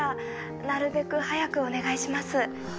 ☎なるべく早くお願いします